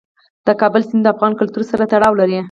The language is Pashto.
د کابل سیند د افغان کلتور سره تړاو لري.